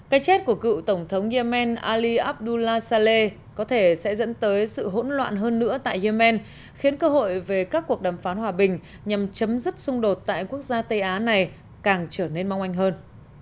cái chết của cựu tổng thống yemen ali abdullah saleh có thể sẽ dẫn tới sự hỗn loạn hơn nữa tại yemen khiến cơ hội về các cuộc đàm phán hòa bình nhằm chấm dứt xung đột tại quốc gia tây á này càng trở nên mong anh hơn